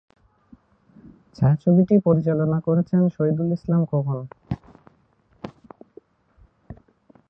ছায়াছবিটি পরিচালনা করেছেন শহীদুল ইসলাম খোকন।